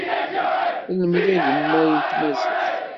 Lmed agemmay n tmaziɣt.